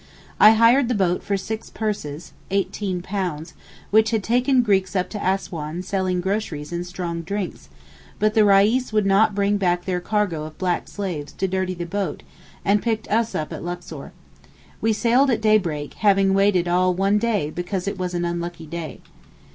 I hired the boat for six purses (£18) which had taken Greeks up to Assouan selling groceries and strong drinks, but the reis would not bring back their cargo of black slaves to dirty the boat and picked us up at Luxor. We sailed at daybreak having waited all one day because it was an unlucky day.